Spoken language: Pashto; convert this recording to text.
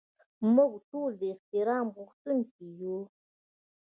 موږ ټول د احترام غوښتونکي یو.